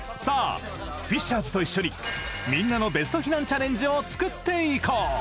さあフィッシャーズと一緒にみんなのベスト避難チャレンジを作っていこう。